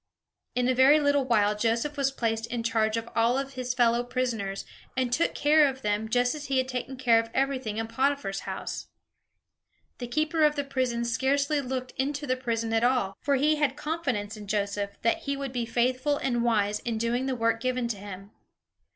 In a very little while, Joseph was placed in charge of all his fellow prisoners, and took care of them, just as he had taken care of everything in Potiphar's house. The keeper of the prison scarcely looked into the prison at all; for he had confidence in Joseph, that he would be faithful and wise in doing the work given to him.